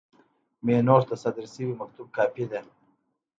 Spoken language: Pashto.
مینوټ د صادر شوي مکتوب کاپي ده.